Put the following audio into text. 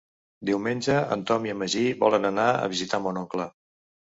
Diumenge en Tom i en Magí volen anar a visitar mon oncle.